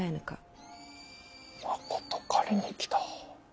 まこと狩りに来た。